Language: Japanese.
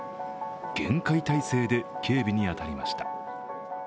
厳戒態勢で警備に当たりました。